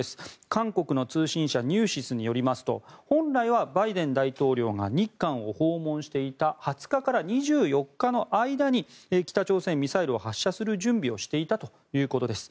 韓国の通信社ニューシスによりますと本来はバイデン大統領が日韓を訪問していた２０日から２４日の間に北朝鮮、ミサイルを発射する準備をしていたということです。